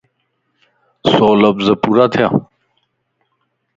سو لفظ پورا ٿيانَ